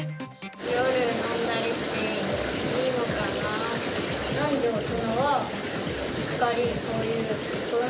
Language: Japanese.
夜飲んだりしていいのかな。